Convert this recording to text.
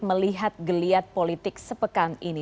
melihat geliat politik sepekan ini